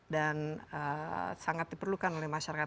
dan sangat diperlukan oleh masyarakat